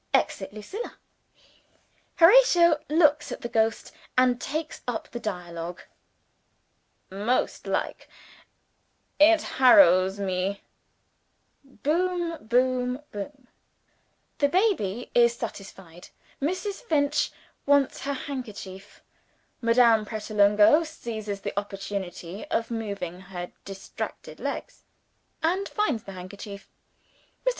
(Exit Lucilla.) Horatio looks at the Ghost, and takes up the dialogue: "Most like; it harrows me " Boom boom boom. The baby is satiated. Mrs. Finch wants her handkerchief. Madame Pratolungo seizes the opportunity of moving her distracted legs, and finds the handkerchief. Mr.